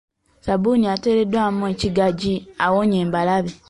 Ssabbuuni ateereddwamu ekigaji awonya embalabe.